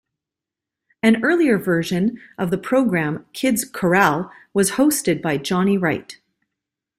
An earlier version of the program, "Kids Korral", was hosted by Johnny Wright.